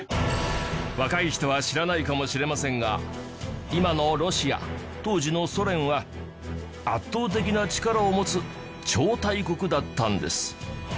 若い人は知らないかもしれませんが今のロシア当時のソ連は圧倒的な力を持つ超大国だったんです